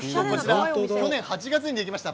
去年の８月にできました